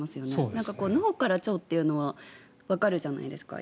なんか、脳から腸というのはわかるじゃないですか。